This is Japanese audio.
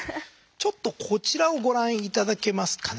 ちょっとこちらをご覧頂けますかね。